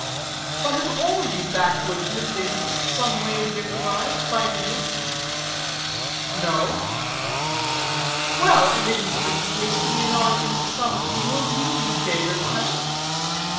But, have all you backwoodsmen been some way victimized by Indians? No. Well, and in certain cases may not at least some few of you be favored by them?